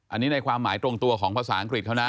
อันนี้ในความหมายตรงตัวของภาษาอังกฤษเขานะ